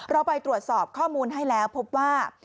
เราไปตรวจสอบข้อมูลให้แล้วพบว่า